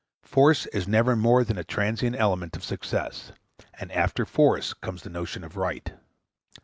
Force is never more than a transient element of success; and after force comes the notion of right.